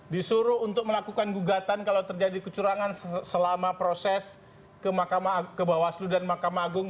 disuruh untuk melakukan gugatan kalau terjadi kecurangan selama proses ke bawaslu dan mahkamah agung